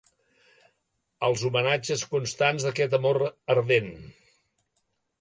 Els homenatges constants d'aquest amor ardent.